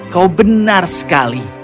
kau benar sekali